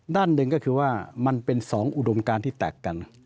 ด้านหนึ่งก็คือว่ามันเป็น๒อุดมการที่แตกกัน